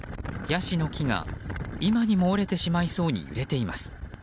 ヤシの木が今にも折れてしまいそうに揺れています。